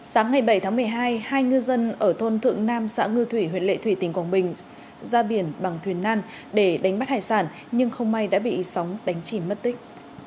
sáng ngày bảy tháng một mươi hai hai ngư dân ở thôn thượng nam xã ngư thủy huyện lệ thủy tỉnh quảng bình ra biển bằng thuyền nan để đánh bắt hải sản nhưng không may đã bị sóng đánh chìm mất tích